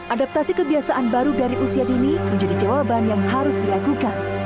adaptasi kebiasaan baru dari usia dini menjadi jawaban yang harus diragukan